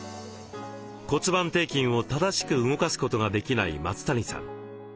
骨盤底筋を正しく動かすことができない松谷さん